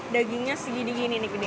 dagingnya segini gini nih